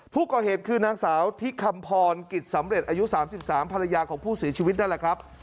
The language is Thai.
ผู้ก่อเหตุคือนางสาวที่คำพรกิจสำเร็จอายุ๓๓ภรรยาของผู้เสียชีวิตนั่นแหละครับ